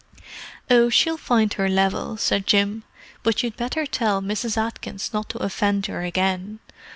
"Oh, she'll find her level," said Jim. "But you'd better tell Mrs. Atkins not to offend her again.